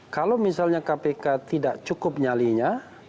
kalau misalnya kpk tidak cukup nyalinya